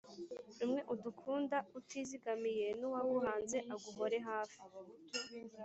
Rumwe udukunda utizigamiyeN’uwaguhanze aguhore hafi